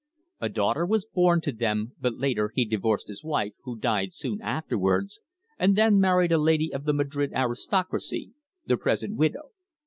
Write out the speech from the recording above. A daughter was born to them, but later he divorced his wife, who died soon afterwards, and then he married a lady of the Madrid aristocracy, the present widow.